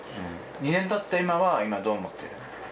２年たった今は今どう思ってる？